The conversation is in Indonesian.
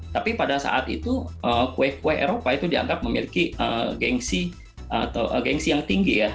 tapi pada saat itu kue kue eropa itu dianggap memiliki gengsi yang tinggi ya